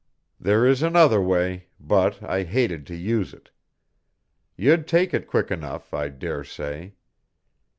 There is another way, but I hated to use it. You'd take it quick enough, I dare say.